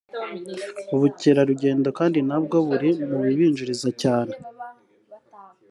ubukerarugendo kandi nabwo buri mu bibinjiriza cyane